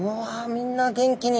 みんな元気に。